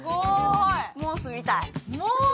もう住みたい。